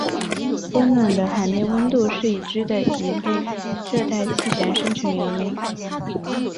温暖的海面温度是已知的一类热带气旋生成原因。